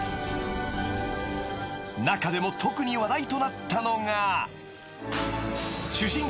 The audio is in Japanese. ［中でも特に話題となったのが］